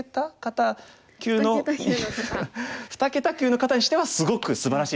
二桁級の方にしてはすごくすばらしい手。